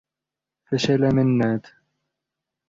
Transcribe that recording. فشل منّاد.